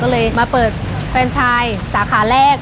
ก็เลยมาเปิดแฟนชายสาขาแรก